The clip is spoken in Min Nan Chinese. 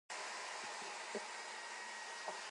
平安就是福